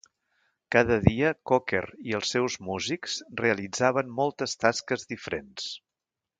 Cada dia, Cocker i els seus músics realitzaven moltes tasques diferents.